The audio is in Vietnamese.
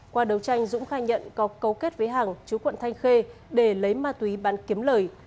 qua đấu tranh dũng khai nhận có cấu kết với hàng chú quận thanh khê để lấy ma túy bán kiếm lời